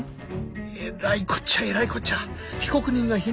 えらいこっちゃえらいこっちゃ被告人が否認